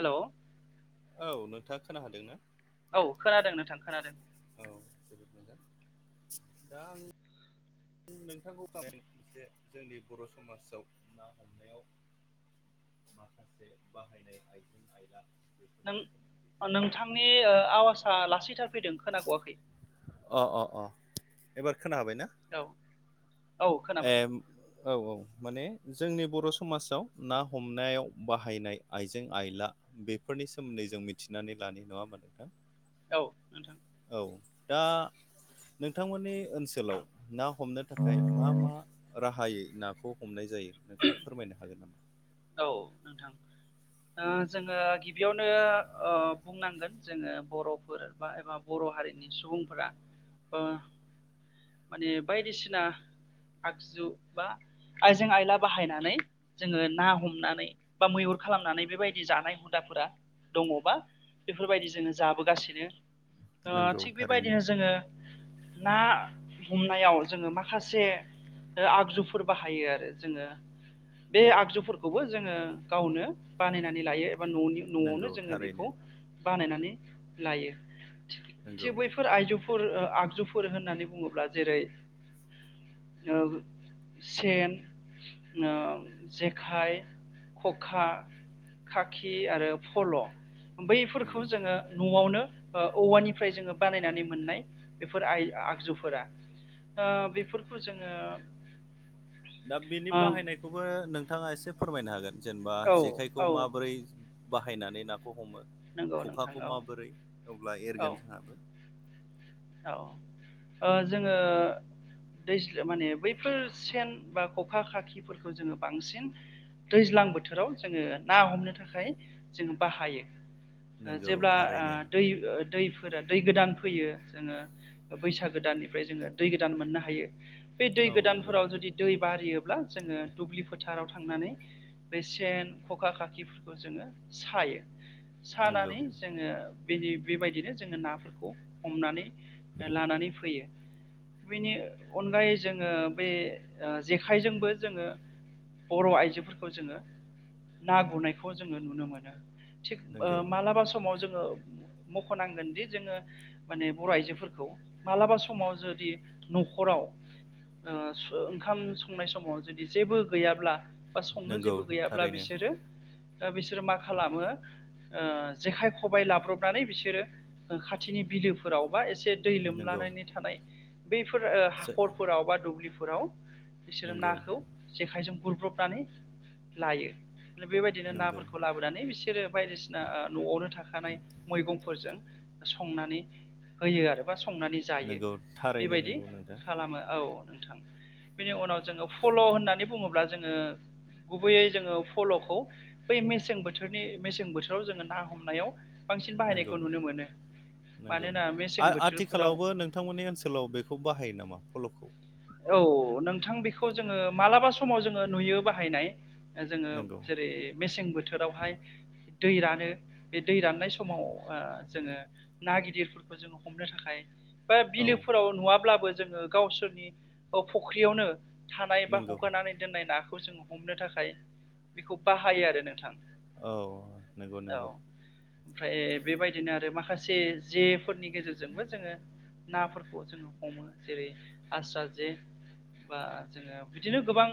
Hello औ नोंथा खोना हादों औ खोनादों नोंथां खोनादों औ दा नोंथांखौ गावनि जे जे जोंनि बर' समाजाव माखासे बाहायनाय आइजें आइला नों नोथांनि आवाजा लासैथार फैदों खोनागआ अह अह अह एबार खोना हाबाय ना औ औ खोनाबाय ए उम औ औ माने जोंनि बर' समाजाव ना हमनायाव बाहायनाय आइजें आइला बेफोरनि सोमोन्दै जों मिथिनानै लानि नङा होमबा नोंथां औ उम औ दा नोंथांमोननि ओनसोलाव ना हमनो थाखाय मा मा राहायै नाखौ हमनाय जायो नोंथाङा फोरमायनो हागोन औ नोंथां ओ जोङो गिबियावनो औ बुंनांगोन जोङो बर'फोर बा एबा बर' हारिनि सुबुंफोरा ओ माने बायदिसिना आगजु बा आइजें आइला बाहायनानै जोङो नाव हमनानै बा मैहुर खालामनानै बेबायदि जानाय हुदाफोरा दङबा बेफोर बायदि जोङो जाबोगासिनो ओ नंगौ थिग थारैनो। बेबायदिनो जोङो ना हमनायाव जोङो माखासे ओ आगजुफोर बाहायो आरो जोङो बे आगजुफोर खौबो जोङो गावनो बानायनानै लायो एबा न'नि नंगौ न'आवनो जोङो थारैनो बेखौ बानायनानै लायो थिख नंगौ थिग बैफोर बेफोर आइजौ फोर ओ आगजुफोर होननानै बुङोब्ला जेरै ओ सेन ओ जेखाइ खखा खाखि आरो फल' बैफोरखौ नंगौ जोङो न'आवनो ओ औवानिफ्राय जोङो बानायनानै मोननाय बेफोर आइ आगजुफोरा ओ बेफोरखौ जोङो दा बिनि ओ बाहायनायखौबो नोंथाङा एसे फोरमायनो हागोन जेनेबा औ जेखायखौ औ माबोरै बाहायनानै नाखौ हमो नंगौ नोंथां खखाखौ औ माबोरै अब्ला औ एरगोन जोंहा औ ओ जोङो दैज्ल माने बैफोर सेन बा खखा खाखिफोरखौ जोङो बांसिन दैज्लां बोथोराव जोङो ना हमनो थाखाय जोङो बाहायो ओ नंगौ जेब्ला ओ थारैनो दै दैफोरा दै गोदान फैयो जोङो बैसागो दाननिफ्राय जोङो दै गोदान मोननो हायो बे दै औ नंगौ गोदानफोराव जुदि दै बारियोब्ला जोङो दुब्लि फोथाराव थांनानै बे सेन खखा खाखिफोरखौ जोङो सायो नंगौ सानानै जोङो बेनि बेबायदिनो जोङो नाफोरखौ हमनानै ओ लानानै फैयो बेनि अनगायै जोङो बे ओ जेखाइजोंबो जोङो बर' आइजोफोरखौ जोङो ना गुरनायखौ जोङो नुनो मोनो थिग ओ नंगौ मालाबा समाव जोङो मख'नांगोन दि जोङो। माने बर' आइजोफोरखौ मालाबा समाव जुदि न'खराव ओ ओंखाम संनाय समाव जुदि जेबो गैयाब्ला बा संनो नंगौ जेबो गैयाब्ला थारैनो बिसोरो बिसोरो मा खालामो। ओ जेखाइ खबबाय लाब्रबनानै बिसोरो खाथिनि बिलो फोराव बा एसे दै नंगौ लोमलानानै थानाय बैफोर हाखरफोराव बा दुब्लिफोराव बिसोरो नंगौ नाखौ जेखाइजों गुरब्रबनानै लायो बेबायदिनो नंगौ नाफोरखौ लाबोयो नानै बिसोरो बायदिसिना न'आवनो थाखानाय मैगंफोरजों संनानै होयो आरो बा संनानै जायो नंगौ थारैनो बेबायदि नंगौ नोंथां खालामो औ। नोंथां बेनि उनाव जोङो फल' होननानै बुङोब्ला जोङो गुबैयै जोङो फल'खौ बै मेसें बोथोरनि मेसें बोथोराव जोङो ना हमनायाव बांसिन नंगौ बाहायनायखौ नुनो मोनो। नंगौ मानोना मेसें आ बोथोरफोराव आथिखालावबो नोंथांमोननि ओनसोलाव बेखौ बाहायो नामा फल'खौ। औ नोंथां बेखौ जोङो मालाबा समाव जोङो नुयो बाहायनाय। जोङो नंगौ जेरै मेसें बोथोरावहाय दै रानो बे दै राननाय समाव ओ जोङो ना गिदिरफोरखौ। जों हमनो थाखाय बा औ बिलोफोराव नुवाब्लाबो जोङो गावसोरनि फुख्रियावनो। थानाय बा नंगौ हगारनानै दोननाय नाखौ जों हमनो थाखाय बेखौ बाहायो आरो नोंथां। औ नंगौ औ नंगौ। ओमफ्राय बेबायदिनो आरो माखासे जे फोरनि गेजेरजोंबो जोङो नाफोरखौ जोङो हमो जेरै आस्राजे बे बा जोङो बिदिनो गोबां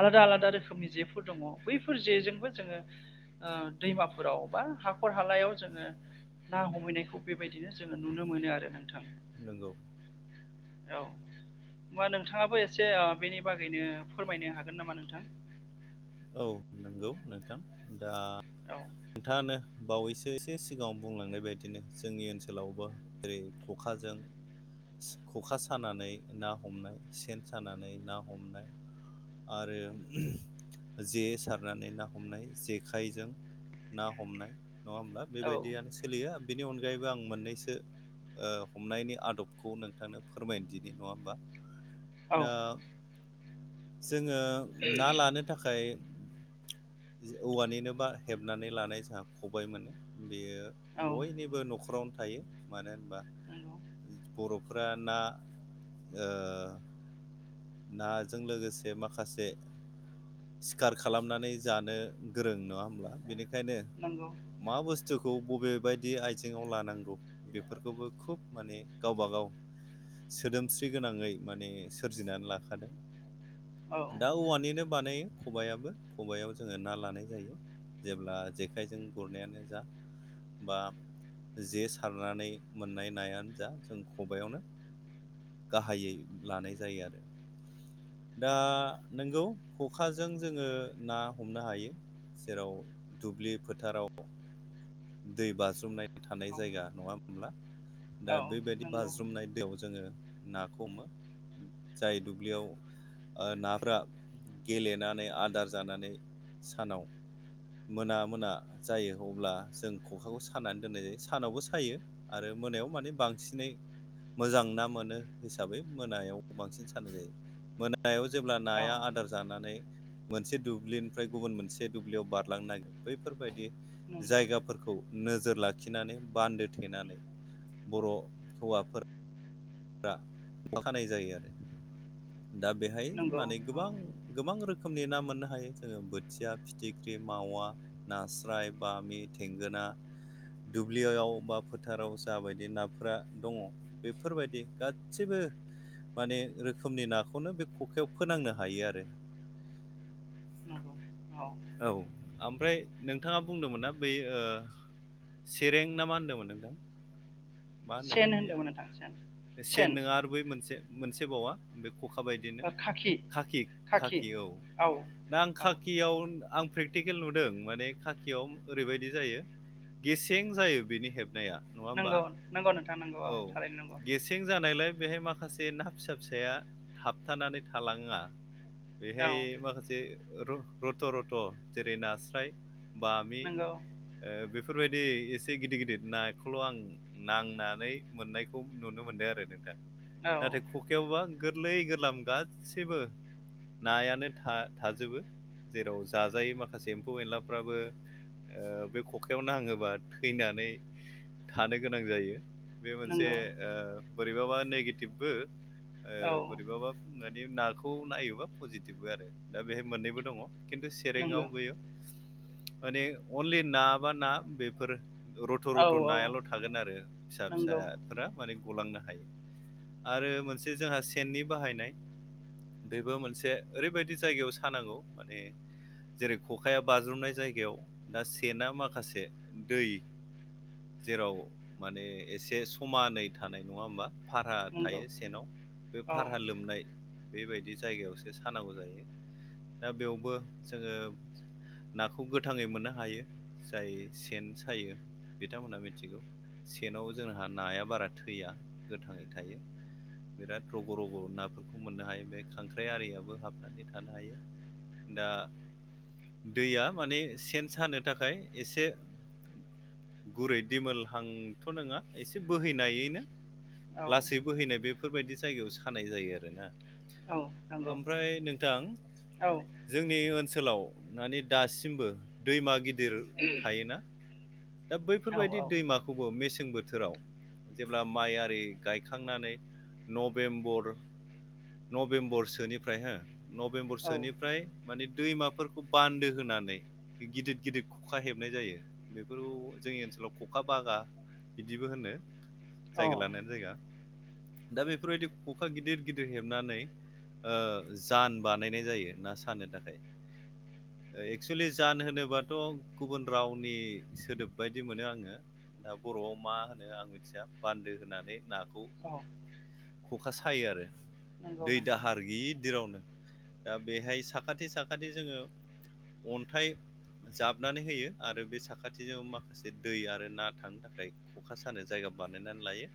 आलादा आलादा रोखोमनि जेफोर दङ बैफोर जेजोंबो जोङो ओ दैमाफोराव बा हाखर हालायाव जोङो ना हमहैनायखौ बेबायदिनो जोङो नुनो मोनो आरो नोंथां। नंगौ। औ। होमबा नोंथाङाबो एसे ओ बेनि बागैनो फोरमायनो हागोन नामा नोंथां। औ नंगौ नोंथां दा औ नोंथाङानो बावैसो एसे सिगाङाव बुंलांनाय बायदिनो जोंनि ओनसोलावबो जेरै ख'खाजों खखा सानानै ना हमनाय सेन सानानै ना हमनाय आरो जे सारनानै ना हमनाय जेखाइजों ना हमनाय नङा होमब्ला। औ बेबायदियानो सोलियो बेनि अनगायैबो आं मोननैसो ओ हमनायनि आदबखौ नोंथांनो फोरमायनोदिनि नङा होमबा? औ दा जोङो ना लानो थाखाय औवानिनो बा हेबनानै लानाय जोंहा खबाय मोनो बेयो औ बयनिबो न'खरावनो थायो मानो होनबा नंगौ बर'फोरा ना ओ नाजों लोगोसे माखासे सिखार खालामनानै जानो गोरों नङा होमब्ला बेनिखायनो नंगौ मा बुस्थुखौ बबे बायदि आयजें आव लानांगौ। बेफोरखौबो खुब माने गावब गाव सोदोमस्रि गोनाङै माने सद बुजिनानै लाखादों औ दा औवानिनो बानायो खबायाइाबो खबायाव जोङो ना लानाय जायो। जेब्ला जेखाइजों गुरनायानो जा बा जे सारनानै मोननाय नायानो जा जों खबाइयावनो गाहायै लानाय जायो आरो। दा नोंगौ खखाजों जोङो ना हमनो हायो। जेराव दुब्लि फोथाराव दै बाज्रुमनाय थानाय औ जायगा नङा हब्ला दा औ बेबायादि नंगौ बाज्रुमनाय दैयाव जोङो नाखौ हमो जाय दुब्लियाव ओ नाफ्रा गेलेनानै आदार जानानै सानाव मोना मोना जायो अब्ला जों खखाखौ सानानै दोननाय जायो सानावबो सायो आरो मोनायाव माने बांसिनै मोजां ना मोनो हिसाबै मोनायाव बांसिन सानाय जायो मोना नायाव जेब्ला औ नाया आदार जानानै मोनसे दुब्लिनिफ्राय गुबुन मोनसे दुब्लियाव बारलांनो नागिर बैफोरबायदि नं- जायगा फोरखौ नोजोर लाखिनानै बान्दो थेनानै बर' हौवाफोर रा खानाय जायो आरो दा बेहाय नंगौ माने औ गोबां गोबां रोखोमनि ना मोननो हायो जोङो बोथिया फिथिख्रि मावा नास्राय बामि थेंगोना दुब्लियाव बा फोथाराव जाबायदि नाफोरा दङ बेफोरबायदि गासैबो माने रोखोमनि नाखौनो बे खखायाव फोनांनो हायो आरो [unintelligible] औ ओमफ्राय नोंथाङा बुंदोंमोन ना बे ओ सेरें ना मा होन्दोंमोन नोंथां मा सेन बेयो होनदोंमोन नोंथां सेन सेन नङा आरो बै मोनसे मोनसे बावा बे खखा बायदिनो ओ खाखि खाखि खाखि औ दा आं औ खाखियाव आं प्रेग टिकेल नुदों माने खाखियाव ओरैबायदि जायो गेसें जायो बिनि हेबनाया नङा होमबा नांगौ नोंथां नांगौ औ थारै नंगौ सेंजानायलाय बेहाय माखासे ना फिसा फिसाया थाबथानानै थालाङा औ बेहाय माखासे रथ' रथ' जेरै नास्राय बामि नंगौ ओ बेफोरबायदि एसे गिदिर गिदिर नाखौल' आं नांना नै मोननाय खौ नुनो मोनो आरो नोंथां औ नाथाय खख खायावबा गोरलै गोरलाम गाससिबो नायानो था थाजोबो जेराव जाजायो माखासे एम्फौ एनलाफ्राबो ओ बे खखायाव नाङोबा थैनानै थानो गोनां जायो बे मोनसे नंगौ ओ बोरैबाबा नेगेटिभबो ओ औ बोरैबाबा मानि नाखौ नायोबा पजिटिभबो आरो दा बेहाय मोननैबो दङ खिन्थु सेरङआव नंगौ बेयो माने अनलि ना बा ना बेफोर रथ' औ रथ' औ नायाल' थागोन आरो फिसा नंगौ फिसाफोरा माने गलांनो हायो आरो मोनसे जोंहा सेननि बाहायनाय बेबो मोनसे ओरैबायदि जायगायाव सानांगौ माने जेरै खखाया बाज्रुमनाय जायगायाव दा सेना माखासे दै जेराव माने एसे समानै थानाय नङा होमबा भारा नंगौ थायो सेनाव बे औ भारा लोमनाय बेबायदि जायगायावसो सानांगौ जायो दा बेयावबो जोङो नाखौ गोथाङै मोननो हायो जाय सेन सायो बिथांमोनहा मिथिगौ सेनाव जोंहा नाया बारा थैया गोथाङै थायो बिराद रग' रग' नाफोरखौ मोननो हायो बे खांख्राइ आरियाबो हाबनानै थानो हायो दा दैया माने सेन सानो थाखाय एसे गुरै दिमोलहांथ' नङा एसे बोहैनायैनो औ लासै बोहैनाय बेफोरबायदि जायगायाव सानाय जायो आरोना औ नंगौ ओमफ्राय नोंथां औ जोंनि ओनसोलाव माने दासिमबो दैमा गिदिर थायोना दा औ बैफोरबायदि दैमाखौबो मेसें बोथोराव जेब्ला माइ आरि गायखांनानै नभेम्बर नभेम्बरसोनिफ्राय हो औ नभेम्बरसोनिफ्राय माने दैमाफोरखौ बान्दो होनानै गिदिर गिदिर खखा हेबनाय जायो बेफोर जोंनि ओनसोलाव खखा बागा। बिदिबो होनो औ जायगा लानाय जायगा दा बेफोरबायदि खखा गिदिर गिदर-' हेबनानै जान ओ बानायनाय जायो ना साननो थाखाय एक्सुेलि जान होनोबाथ' गुबुन रावनि सोदोब बायदि मोनो आंङो। दा बर'आव मा होनो आं मिथिया बान्दो होनानै नाखौ ख'खा सायो आरो नंगौ नंगौ दै दाहार गिदिरावनो दा बेहाय साखाथि साखाथि जोंङो-' अन्थाइ जाबनानै होयो आरो बे साखाथिजों माखासे दै आरो ना थांनो थाखाय खखा सानाय जायगा बानायनानै लायो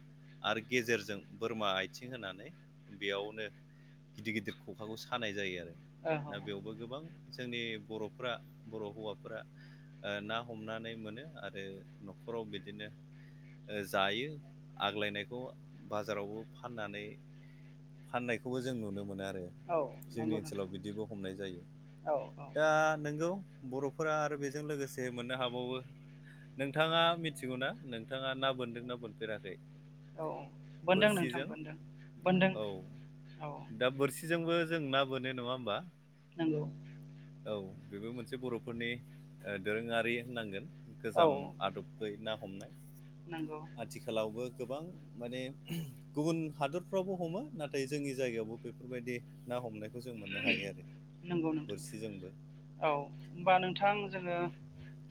आरो गेजेरजों बोरमा आथिं होनानै बेयावनो गिदिर गिदिर खखाखौ सानाय जायो आरो औ औ दा बेयावबो गोबां जोंनि बर'फ्रा बर' हौवाफ्रा ओ ना हमनानै मोनो आरो न'खराव बिदिनो जायो आग्लायनायखौ बाजारावबो फाननानै फाननायखौबो जों नुनो मोनो आरो औ जोंनि नंगौ ओनसोलाव नोंथां बिदिबो हमनाय जायो औ दा औ नोंगौ बर'फोरा आरो बेजों लोगोसे मोननो हाबावो नोंथांङा मिथिगौना नोंथांङा ना बोन्दों ना बोनफेराखोव औ बोनदों नोंथां बोरसिजों बोनदों बोनदों औ औ दा बोरसि जोंबो जों ना बोनो नंङा होमबा। नोंगौव औ बेबो मोनसे बर'फोरनि ओ दोरोंङारि होननांगोन। औ गोजाम आदबै ना हमनाय। नंगौ आथिखालावबो गोबां माने गुबुन हादरफ्रावबो हमो नाथाय जोंनि जायगायावबो बेफोरबायदि ना हमनायखौ जों मोननो हायो आरो। नंगौ नोंथां बोरसिजोंबो औ होमबा नोंथां जोंङो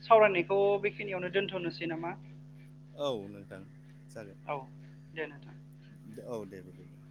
सावरायनायखौ बेखिनियावनो दोनथ'नोसै नामा? औ नोंथां जागोन औ दे नोंथां। औ दे बिदिब्ला